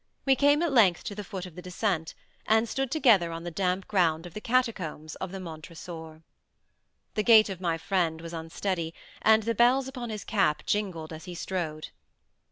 We came at length to the foot of the descent, and stood together on the damp ground of the catacombs of the Montresors. The gait of my friend was unsteady, and the bells upon his cap jingled as he strode.